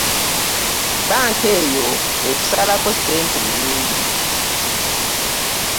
Bbanka eyo etusalako ssente nnyingi.